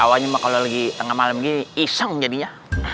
awalnya kalau lagi tengah malam gini iseng jadinya